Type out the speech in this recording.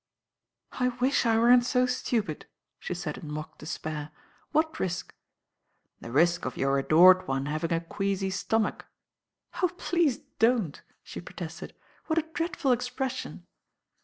"I wish I weren't so stupid," she said in mock despair. "What risk?" "The risk of your adored one having a queasy stomach." "Oh, please don't," she protested. "What a dreadful expression."